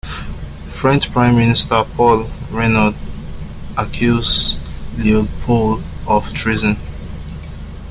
French Prime Minister Paul Reynaud accused Leopold of treason.